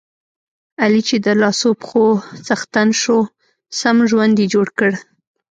علي چې د لاسو پښو څښتن شو، سم ژوند یې جوړ کړ.